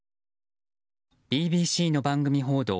ＢＢＣの番組報道